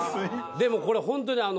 でもこれホントにあの。